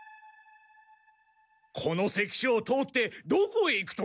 この関所を通ってどこへ行くところだ？